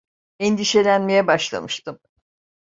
Endişelenmeye başlamıştım.